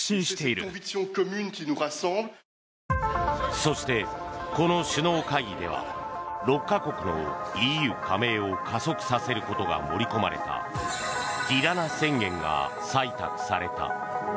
そして、この首脳会議では６か国のＥＵ加盟を加速させることが盛り込まれたティラナ宣言が採択された。